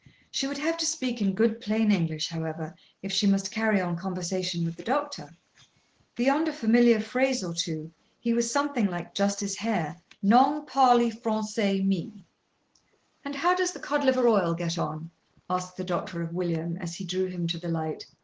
She would have to speak in good plain English, however, if she must carry on conversation with the doctor. Beyond a familiar phrase or two, he was something like Justice Hare Nong parley Fronsay me! "And how does the cod liver oil get on?" asked the doctor of William, as he drew him to the light.